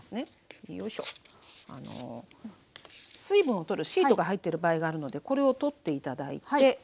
水分を取るシートが入ってる場合があるのでこれを取って頂いて。